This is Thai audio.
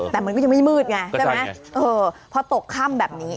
แต่มันก็ยังไม่มืดไงใช่ไหมเออพอตกค่ำแบบนี้